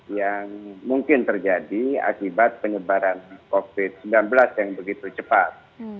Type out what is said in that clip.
yang mungkin terjadi akibat penyebaran covid sembilan belas yang begitu cepat